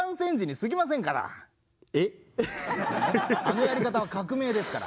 あのやり方は革命ですから。